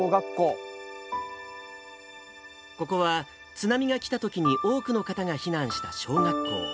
ここは、津波が来たときに多くの方が避難した小学校。